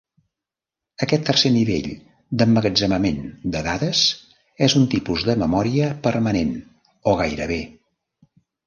Aquest tercer nivell d'emmagatzemament de dades és un tipus de memòria permanent o gairebé.